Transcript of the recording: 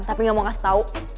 tapi nggak mau kasih tahu